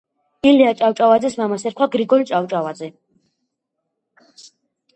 ილია ჭავჭავაძეს მამას ერქვა გრიგოლ ჭავჭავაძე